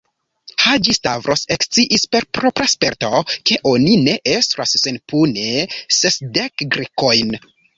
Haĝi-Stavros eksciis per propra sperto, ke oni ne estras senpune sesdek Grekojn.